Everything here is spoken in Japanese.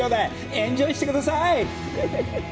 エンジョイしてください！